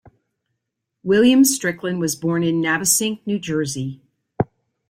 William Strickland was born in Navesink, New Jersey.